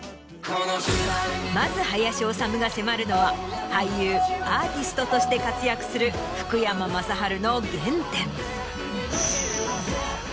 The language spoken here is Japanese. まず林修が迫るのは俳優アーティストとして活躍する福山雅治の原点。